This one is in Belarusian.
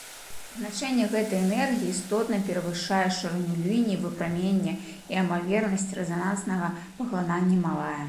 Значэнне гэтай энергіі істотна перавышае шырыню лініі выпрамянення, а імавернасць рэзананснага паглынання малая.